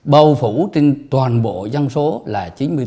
bầu phủ trên toàn bộ dân số là chín mươi bốn bốn